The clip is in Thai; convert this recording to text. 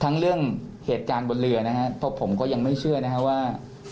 เรื่องเหตุการณ์บนเรือนะครับเพราะผมก็ยังไม่เชื่อนะฮะว่า